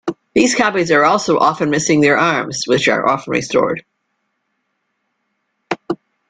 These copies are also often missing their arms, which are often restored.